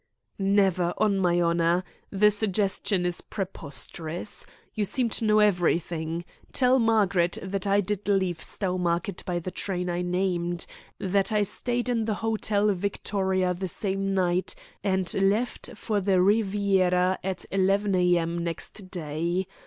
"Never, on my honour! The suggestion is preposterous. You seem to know everything. Tell Margaret that I did leave Stowmarket by the train I named, that I stayed in the Hotel Victoria the same night, and left for the Riviera at 11 a.m. next day.